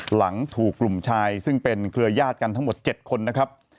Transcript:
หลังถูกกลุ่มชายซึ่งเป็นเครือยาศกันทั้งหมด๗คนนะครับ